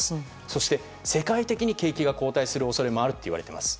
そして、世界的に景気が後退する恐れがあるといわれています。